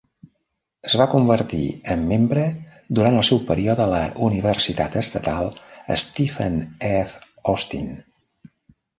Es va convertir en membre durant el seu període a la Universitat Estatal Stephen F. Austin.